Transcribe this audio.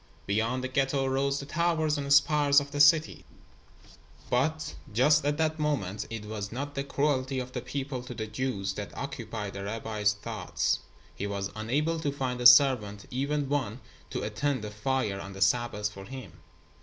Beyond the Ghetto rose the towers and spires of the city, but just at that moment it was not the cruelty of the people to the Jews that occupied the rabbi's thoughts. He was unable to find a servant, even one to attend the fire on the Sabbath for him.